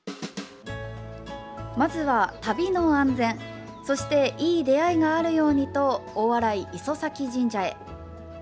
まずは旅の安全そしていい出会いがあるようにと大洗磯前神社へ。